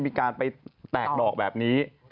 มีการไปแตกหลอกแบบนี้